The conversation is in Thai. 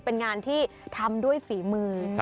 เป็นงานที่ทำด้วยฝีมือ